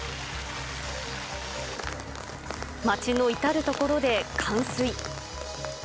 町の至る所で冠水。